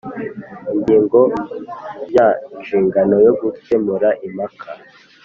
Ingingo ya Inshingano yo gukemura impaka